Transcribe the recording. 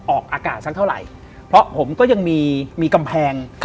ออกอากาศสักเท่าไหร่เพราะผมก็ยังมีกำแพง